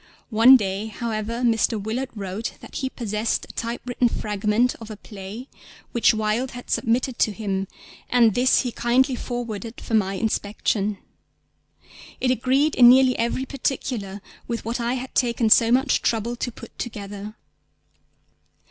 One day, however, Mr. Willard wrote that he possessed a typewritten fragment of a play which Wilde had submitted to him, and this he kindly forwarded for my inspection. It agreed in nearly every particular with what I had taken so much trouble to put together.